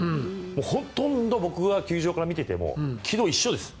ほとんど僕は球場から見てても軌道、一緒です。